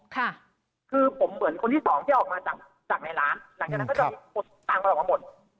ค่ะคือผมเหมือนคนที่สองที่ออกมาจากจากในร้านหลังจากนั้นก็จะมีคนต่างมันออกมาหมด